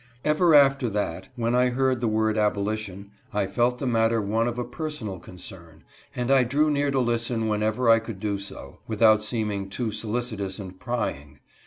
Ever after that, when I heard the word abolition, I felt the matter one of a personal concern, and I drew near to listen whenever I could do so, without seeming too solici tous and prying.